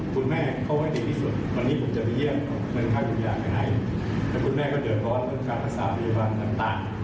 คือต้องมีการเที่ยวยาอย่างไรครับ